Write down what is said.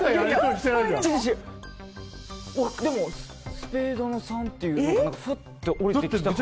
スペードの３ってふって降りてきたから。